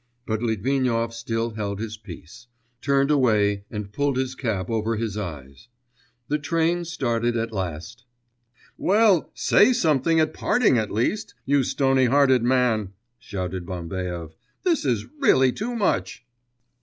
But Litvinov still held his peace, turned away, and pulled his cap over his eyes. The train started at last. 'Well, say something at parting at least, you stonyhearted man!' shouted Bambaev, 'this is really too much!